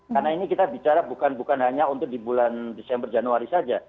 karena ini kita bicara bukan hanya untuk di bulan desember januari saja